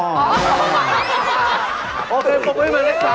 โอเคผมมีหมายเลข๓ครับ